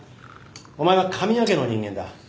お前は神谷家の人間だ。